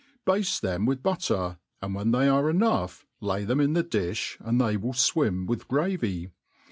Bade them with butter, and when they are enough lay them in the difh, and they will iTwjm with gravy.